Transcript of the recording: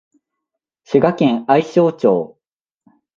滋賀県愛荘町